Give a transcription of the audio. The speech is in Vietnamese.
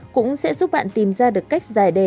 cũng sẽ giúp bạn tìm ra được cách dài đề